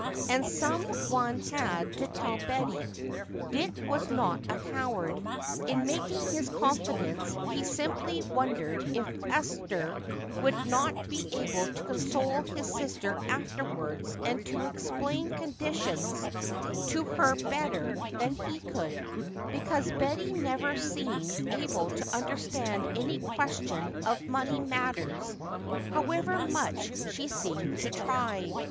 And some one had to tell Betty. Dick was not a coward; in making his confidence he simply wondered if Esther would not be able to console his sister afterwards and to explain conditions to her better than he could, because Betty never had seemed able to understand any question of money matters however much she seemed to try.